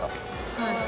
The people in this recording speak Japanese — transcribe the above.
はい。